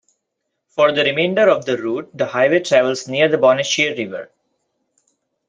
For the remainder of the route, the highway travels near the Bonnechere River.